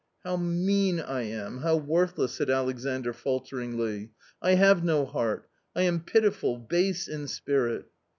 " How mean I am, how worthless !" said Alexandr, falter ingly ;" I have no heart ! I am pitiful, base in spirit